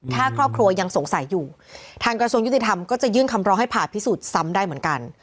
ถ้าครอบครัวยังสงสัยอยู่ทางกระทรวงยุติธรรมก็จะยื่นคำร้องให้ผ่าพิสูจน์ซ้ำได้เหมือนกัน